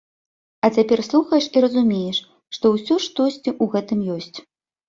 А цяпер слухаеш і разумееш, што ўсё ж штосьці ў гэтым ёсць.